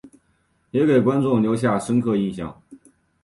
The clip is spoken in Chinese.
也给观众留下深刻影象。